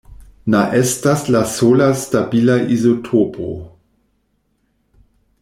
Na estas la sola stabila izotopo.